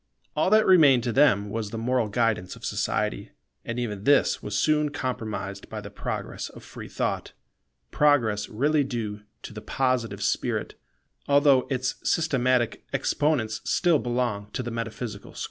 All that remained to them was the moral guidance of society; and even this was soon compromised by the progress of free thought; progress really due to the Positive spirit, although its systematic exponents still belong to the metaphysical school.